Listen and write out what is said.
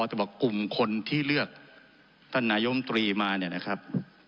จะบอกกลุ่มคนที่เลือกท่านนายมตรีมาเนี่ยนะครับ